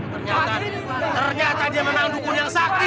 ternyata ternyata dia menang dukun yang sakti